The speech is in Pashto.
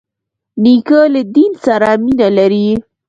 نیکه له دین سره مینه لري.